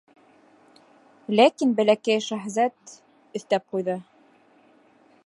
Ләкин Бәләкәй шаһзат өҫтәп ҡуйҙы: